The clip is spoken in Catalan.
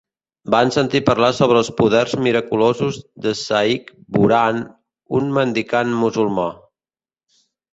Van sentir parlar sobre els poders miraculosos de Shaikh Burhan, un mendicant musulmà.